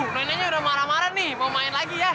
brandnya udah marah marah nih mau main lagi ya